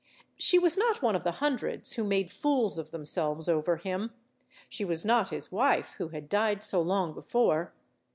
She was not one of the hundreds who made fools of them selves over him. She was not his wife, who had died so long before.